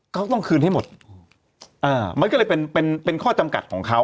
เขาต้องคืนให้หมดอ่ามันก็เลยเป็นเป็นข้อจำกัดของเขา